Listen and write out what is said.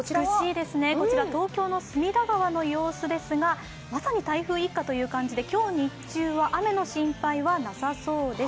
東京の隅田川の様子ですがまさに台風一過という感じで今日、日中は雨の心配はなさそうです。